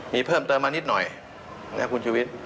มีเพิ่มเติมมานิดหน่อยนะคุณชุวิต